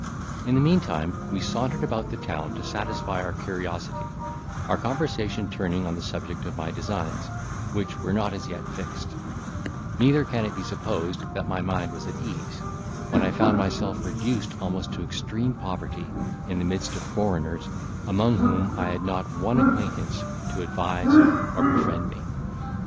In the meantime, we sauntered about the town to satisfy our curiosity, our conversation turning on the subject of my designs, which were not as yet fixed: neither can it be supposed that my mind was at ease, when I found myself reduced almost to extreme poverty, in the midst of foreigners, among whom I had not one acquaintance to advise or befriend me.